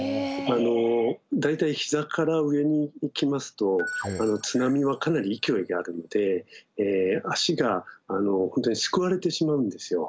大体ひざから上に行きますと津波はかなり勢いがあるので足がすくわれてしまうんですよ。